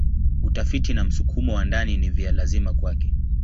Utafiti na msukumo wa ndani ni vya lazima kwake.